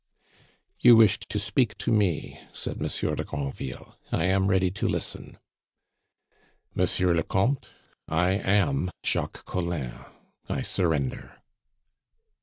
"You wished to speak to me," said Monsieur de Granville. "I am ready to listen." "Monsieur le Comte, I am Jacques Collin. I surrender!"